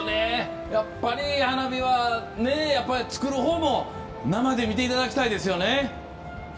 やっぱり花火は作るほうも生で見ていただきたいですよね。